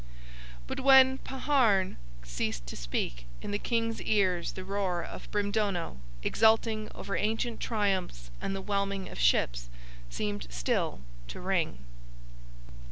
But when Paharn ceased to speak, in the King's ears the roar of Brimdono exulting over ancient triumphs and the whelming of ships seemed still to ring.